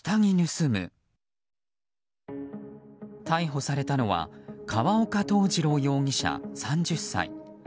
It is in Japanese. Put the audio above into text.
逮捕されたのは河岡東次郎容疑者、３０歳。